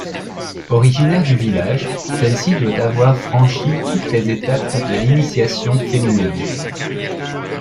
Originaire du village, celle-ci doit avoir franchi toutes les étapes de l'initiation féminine.